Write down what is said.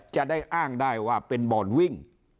จะได้อ้างได้ว่าเป็นบ่อนวิ่ง